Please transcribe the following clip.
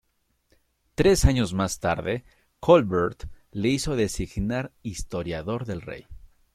Tres años más tarde, Colbert le hizo designar historiador del rey.